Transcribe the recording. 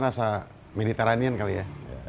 rasanya rasa mediterranean kali ya